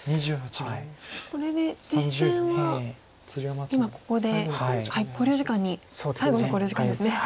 これで実戦は今ここで考慮時間に最後の考慮時間ですね。